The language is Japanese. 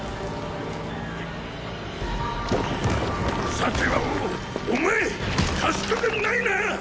さてはおお前賢くないな⁉